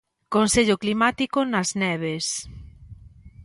Consello Climático nas Neves.